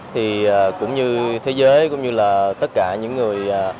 thì cũng như thế giới cũng như là tất cả những người